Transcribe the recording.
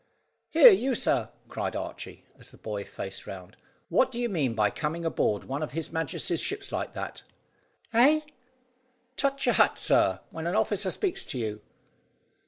"Here, you sir!" cried Archy, as the boy faced round. "What do you mean by coming aboard one of His Majesty's ships like that?" "Eh?" "Touch your hat, sir, when an officer speaks to you."